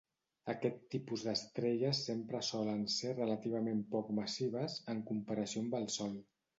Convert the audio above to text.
Aquest tipus d'estrelles sempre solen ser relativament poc massives, en comparació amb el Sol.